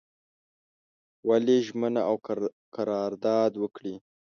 ولي ژمنه او قرارداد وکړي.